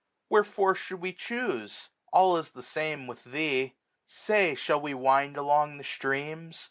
Wherefore should we chuse ? All is the same with thee. Say, shall we wind Along the streams